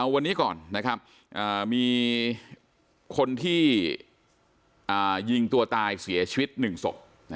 วันนี้ก่อนนะครับมีคนที่ยิงตัวตายเสียชีวิต๑ศพ